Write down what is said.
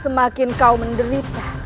semakin kau menderita